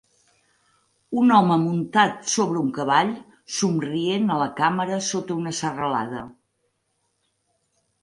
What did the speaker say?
Un home muntat sobre un cavall somrient a la càmera sota una serralada.